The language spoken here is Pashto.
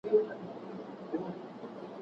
دا پرمختګ د لويديځوالو له خوا دود سو.